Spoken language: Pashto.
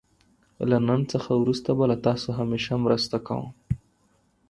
له نن څخه وروسته به له تاسو همېشه مرسته کوم.